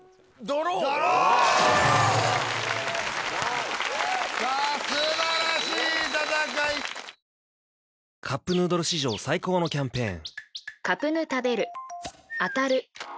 ドロー！「カップヌードル」史上最高のキャンペーン！